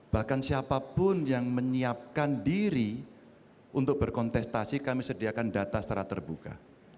bahkan siapapun yang menyiapkan diri untuk berkontestasi kami sediakan data secara terbuka